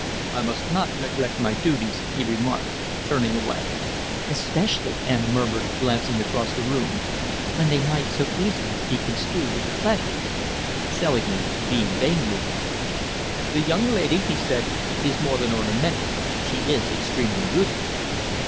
"I must not neglect my duties," he remarked, turning away. "Especially," Anna murmured, glancing across the room, "when they might so easily be construed into pleasures." Selingman beamed amiably. "The young lady," he said, "is more than ornamental she is extremely useful.